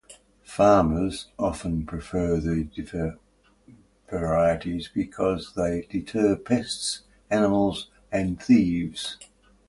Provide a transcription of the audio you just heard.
Farmers often prefer the bitter varieties because they deter pests, animals, and thieves.